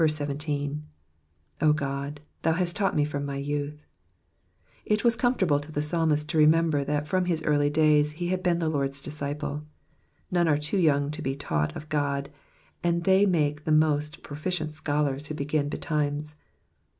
17. 0 Ood^ thou hast tavght me from my youth,'*'* It was comfortable to the Ssalmist to remember that from his earliest days he had been the Lord's disciple, [one are too young to be taught of God, and they make the most proficient scholars who begin betimes.